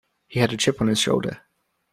He had a chip on his shoulder.